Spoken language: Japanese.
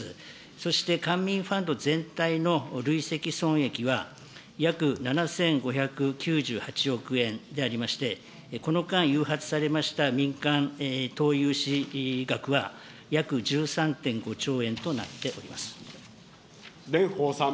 そして官民ファンド全体の累積損益は約７５９８億円でありまして、この間誘発されました民間投融資額は約１３．５兆円となっており蓮舫さん。